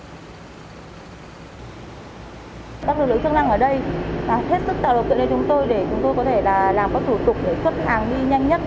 các lực lượng chức năng ở đây hết sức tạo điều kiện cho chúng tôi để chúng tôi có thể làm các thủ tục để xuất hàng đi nhanh nhất